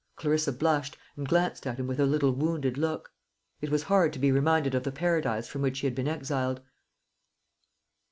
Clarissa blushed, and glanced at him with a little wounded look. It was hard to be reminded of the paradise from which she had been exiled.